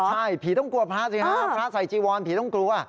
ใช่ผีต้องกลัวพระสิฮะพระใส่จีวอนผีต้องกลัว